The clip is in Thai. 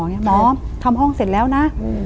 หมอทำห้องเสร็จแล้วนะ